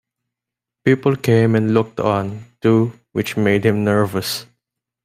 People came and looked on, too, which made him nervous.